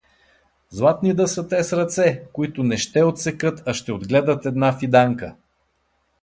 Златни да са тез ръце, които не ще отсекат, а ще отгледат една фиданка!